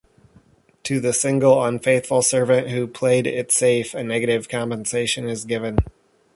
To the single unfaithful servant who "played it safe," a negative compensation is given.